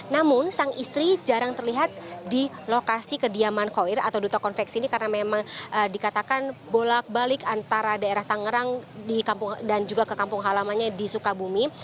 namun sang istri jarang terlihat di lokasi kediaman khoir atau duto konveksi ini karena memang dikatakan bolak balik antara daerah tangerang dan juga ke kampung halamannya di sukabumi